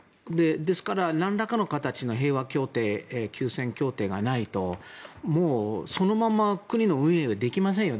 ですから何らかの形での平和協定休戦協定がないと、そのまま国の運営ができませんよ。